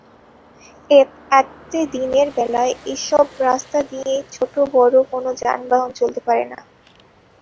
এতে দিনের বেলায় এসব রাস্তা দিয়ে ছোট-বড় কোনো যানবাহন চলতে পারে না।